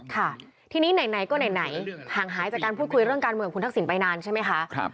ค่ะทีนี้ไหนก็ไหนห่างหายจากการพูดคุยเรื่องการเมืองของคุณทักษิณไปนานใช่ไหมคะ